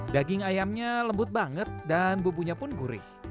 daging ayamnya lembut banget dan bumbunya pun gurih